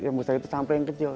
yang musa itu sampai yang kecil